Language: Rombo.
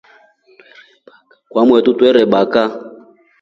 Kwamotu kwetre baka.